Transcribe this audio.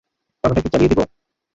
পাখাটা কি চালিয়ে দেব।